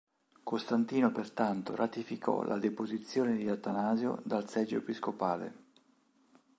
Costantino pertanto ratificò la deposizione di Atanasio dal seggio episcopale.